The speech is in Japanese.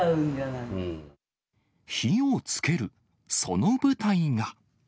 火をつける、その舞台が。